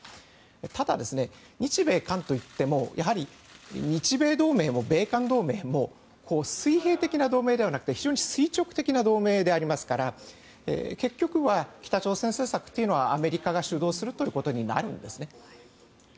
ただ、日米韓といってもやはり日米同盟も米韓同盟もこう水平的な同盟ではなくて垂直的な同盟ですから結局は、北朝鮮政策というのはアメリカが主導することになるんです。